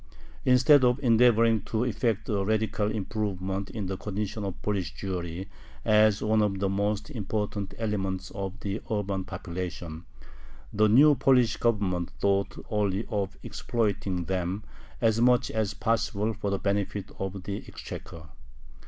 Instead of endeavoring to effect a radical improvement in the condition of Polish Jewry as one of the most important elements of the urban population, the new Polish Government thought only of exploiting them as much as possible for the benefit of the exchequer.